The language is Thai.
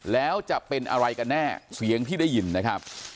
แล้วจะเป็นอะไรกันแน่เสียงที่ได้ยินนะครับ